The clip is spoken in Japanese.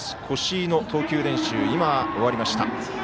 越井の投球練習が終わりました。